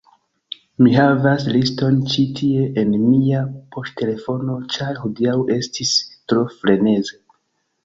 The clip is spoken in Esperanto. Mi havas liston ĉi tie en mia poŝtelefono ĉar hodiaŭ estis tro freneze